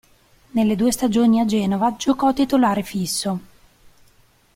Nelle due stagioni a Genova giocò titolare fisso.